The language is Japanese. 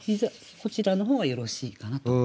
こちらの方がよろしいかなと。